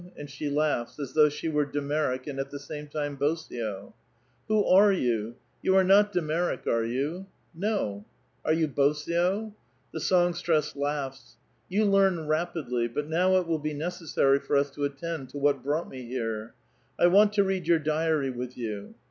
And she lauorhs, as though she were de Merrick and at the same time Bosio. *' Who are you ? You are not de Merrick, are vou ?"'' No." *' Are you Bosio ?" Xbe songstress laughs. ^'You learn rapidly; but now it '^^ill be necessary for us to attend to what brought me here. ^ "Want to read your diary with you."